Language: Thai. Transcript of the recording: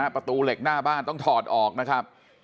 ประตูเหล็กหน้าบ้านต้องถอดออกนะครับ